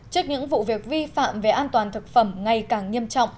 trước những vụ việc vi phạm về an toàn thực phẩm ngày càng nghiêm trọng